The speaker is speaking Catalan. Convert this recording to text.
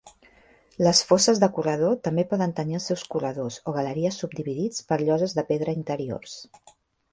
Les fosses de corredor també poden tenir els seus corredors o galeries subdividits per lloses de pedra interiors.